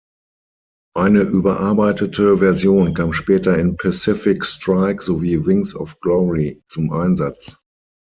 Eine überarbeitete Version kam später in Pacific Strike sowie Wings of Glory zum Einsatz.